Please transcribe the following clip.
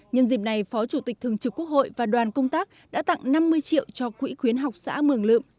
nhân dịp này phó chủ tịch thường trực quốc hội và đoàn công tác đã tặng năm mươi triệu cho quỹ khuyến học xã mường lượm